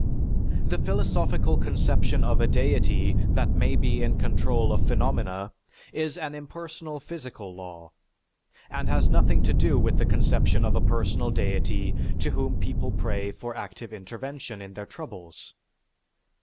The philosophical conception of a deity that may be in control of phenomena is an impersonal physical law, and has nothing to do with the conception of a personal deity to whom people pray for active intervention in their troubles.